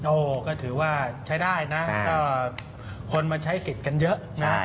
โอ้ก็ถือว่าใช้ได้นะก็คนมาใช้สิทธิ์กันเยอะนะ